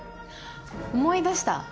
思い出した。